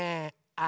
あ！